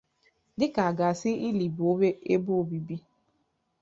dịka a ga-asị na ílì bụ ebe obibi